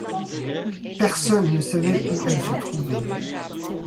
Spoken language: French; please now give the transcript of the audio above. Personne ne savait où elles se trouvaient